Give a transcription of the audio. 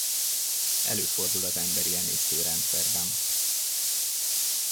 Előfordul az emberi emésztőrendszerben.